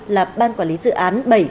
là ban quản lý dự án bảy